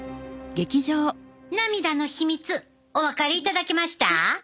涙の秘密お分かりいただけました？